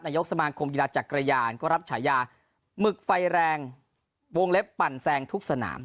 ยกสมาคมกีฬาจักรยานก็รับฉายาหมึกไฟแรงวงเล็บปั่นแซงทุกสนาม